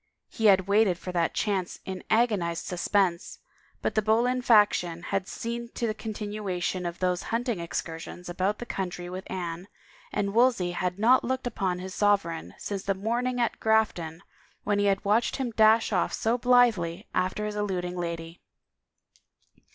He had waited for that chance in agonized suspense, but the Boleyn faction had seen to the continuation of those hunting excursions about the country with Anne, and Wolsey had not looked upon his sovereign since the morning at Grafton when he had watched him dash off so blithely after his eluding lady.